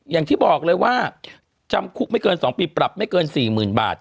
อย่างที่บอกเลยว่าจำคุกไม่เกิน๒ปีปรับไม่เกิน๔๐๐๐บาท